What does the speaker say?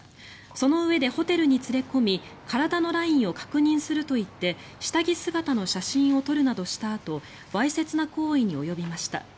そのうえでホテルに連れ込み体のラインを確認するといって下着姿の写真を撮るなどしたあとわいせつな行為に及びました。